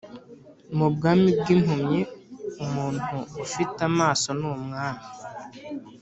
mu bwami bwimpumyi umuntu ufite amaso ni umwami